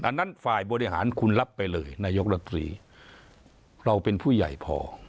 อันนั้นฝ่ายบริหารคุณรับไปเลยนายกรัฐมนตรีเราเป็นผู้ใหญ่พอ